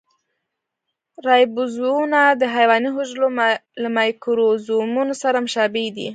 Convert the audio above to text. رایبوزومونه د حیواني حجرو له مایکروزومونو سره مشابه دي.